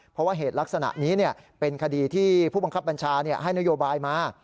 เพราะว่าเหตุลักษณะนี้เป็นคดีที่ผู้บังคับบัญชาให้นโยบายมา